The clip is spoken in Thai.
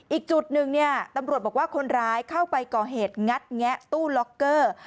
อีกจุดหนึ่งเนี่ยตำรวจบอกว่าคนร้ายเข้าไปก่อเหตุงัดแงะตู้ล็อกเกอร์